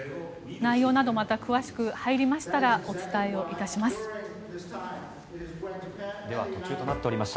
内容など、また詳しく入りましたらお伝えいたします。